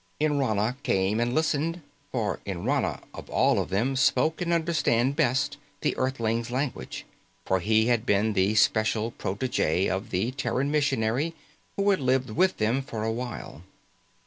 Nrana came and listened, for Nrana of all of them spoke and understood best the Earthling's language, for he had been the special protege of the Terran missionary who had lived with them for a while.